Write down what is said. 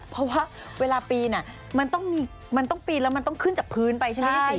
เพราะว่าเวลาปีนมันต้องปีนแล้วมันต้องขึ้นจากพื้นไปใช่ไหม